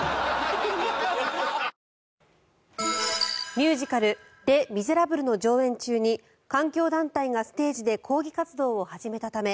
ミュージカル「レ・ミゼラブル」の上演中に環境団体がステージで抗議活動を始めたため